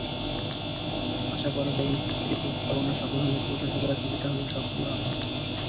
আশা করা যায় এই প্রস্তাবনা সফল হলে প্রশাসকেরা কিছুটা হলেও সক্রিয় হবেন।